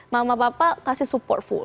mama papa kasih support full